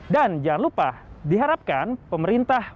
dan jangan lupa diharapkan pemerintah